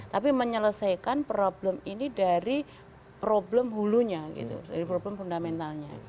tapi menyelesaikan problem ini dari problem hulunya gitu dari problem fundamentalnya